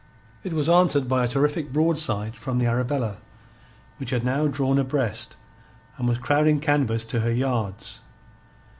It was answered by a terrific broadside from the Arabella, which had now drawn abreast, and was crowding canvas to her yards.